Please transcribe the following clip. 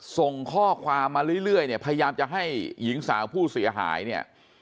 ส่งข้อความมาเรื่อยเนี่ยพยายามจะให้หญิงสาวผู้เสียหายเนี่ย